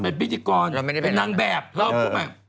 เป็นพิธีกรนางแบบต้องอยู่ไหม